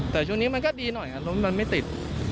แต่ชุดนี้มันก็ดีหน่อยครับหลวงที่มันไม่ติด